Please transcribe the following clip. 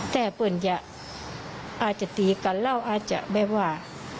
แต่เพื่อนจะอาจจะตีกันแล้วอาจจะแบบว่า